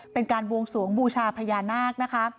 เป็นการบวงสวงบูชาพญานาคนะคะ